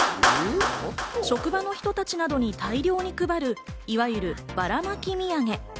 職場の人たちなどに大量に配る、いわゆるバラマキ土産。